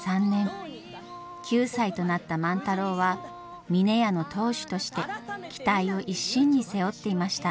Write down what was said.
９歳となった万太郎は峰屋の当主として期待を一身に背負っていました。